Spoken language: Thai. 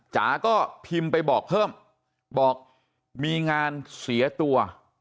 จ๋าก็พิมพ์ไปบอกเพิ่มบอกมีงานเสียตัว